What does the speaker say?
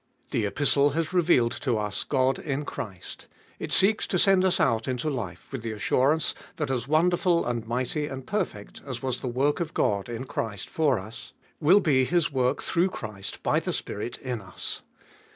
The Epistle has revealed to us God in Christ ; it seeks to send us out info life with the assurance that as wonderful and mighty and perfect as was the work of God in Christ for us, will be His work through Christ, by the Spirit, in us.